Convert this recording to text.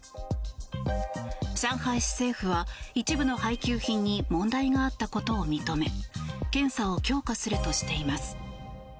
上海市政府は一部の配給品に問題があったことを認め検査を強化するとしています。